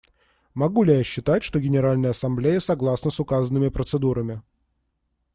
Могу ли я считать, что Генеральная Ассамблея согласна с указанными процедурами?